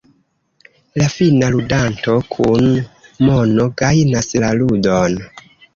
La fina ludanto kun mono gajnas la ludon.